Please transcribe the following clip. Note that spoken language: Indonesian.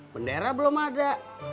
bendera belum ada